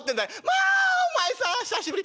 『まあお前さん久しぶり。